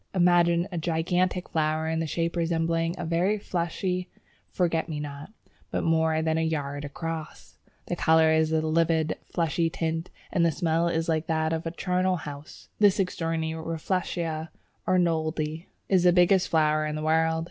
Imagine a gigantic flower in shape resembling a very fleshy forget me not, but more than a yard across! The colour is a livid, fleshy tint, and the smell is like that of a charnel house. This extraordinary Rafflesia Arnoldii is the biggest flower in the world.